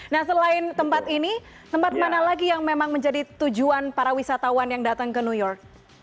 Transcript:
nah selain tempat ini tempat mana lagi yang memang menjadi tujuan para wisatawan yang datang ke new york